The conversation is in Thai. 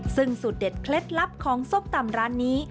ซึ่งสูตรเด็ดเคล็ดลับของส้มตำร้านนี้